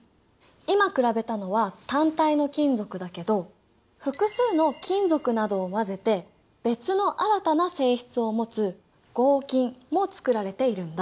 今比べたのは単体の金属だけど複数の金属などを混ぜて別の新たな性質を持つ合金もつくられているんだ。